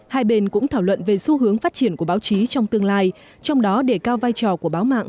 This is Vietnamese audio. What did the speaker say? hai bên cũng thảo luận về xu hướng phát triển của báo chí trong tương lai trong đó đề cao vai trò của báo mạng